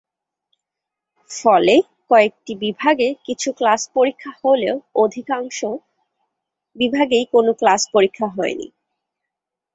ফলে কয়েকটি বিভাগে কিছু ক্লাস-পরীক্ষা হলেও অধিকাংশ বিভাগেই কোনো ক্লাস-পরীক্ষা হয়নি।